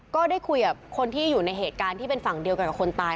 ก็ได้คุยกับคนที่อยู่ในเหตุการณ์ที่เป็นฝั่งเดียวกันกับคนตาย